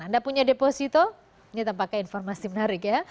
anda punya deposito ini tampaknya informasi menarik ya